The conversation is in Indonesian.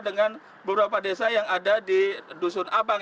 dengan beberapa desa yang ada di dusun abang